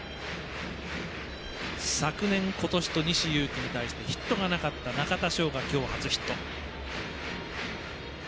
昨年、今年と西勇輝に対してヒットがなかった中田翔が今日初ヒット。